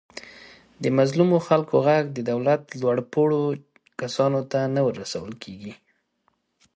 د مظلومو خلکو غږ د دولت لوپوړو کسانو ته نه ورسول کېږي.